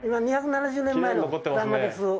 ２７０年前の欄間です。